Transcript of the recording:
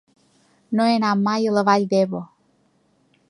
No he anat mai a la Vall d'Ebo.